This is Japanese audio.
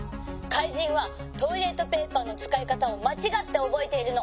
「かいじんはトイレットペーパーのつかいかたをまちがっておぼえているの」。